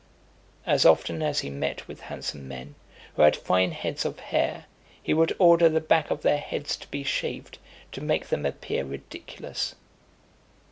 As often as he met with handsome men, who had fine heads of hair, he would order the back of their heads to be shaved, to make them appear ridiculous.